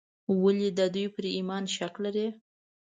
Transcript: ولې د دوی پر ایمان شک لري.